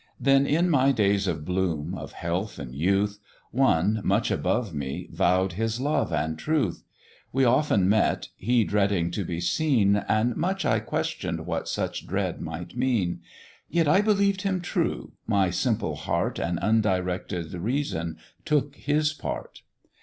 "Then in my days of bloom, of health, and youth, One, much above me, vow'd his love and truth: We often met, he dreading to be seen, And much I question'd what such dread might mean; Yet I believed him true; my simple heart And undirected reason took his part.